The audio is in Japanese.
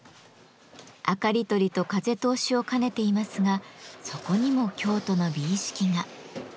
明かり取りと風通しを兼ねていますがそこにも京都の美意識が。